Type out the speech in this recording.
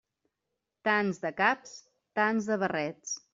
Tants de caps, tants de barrets.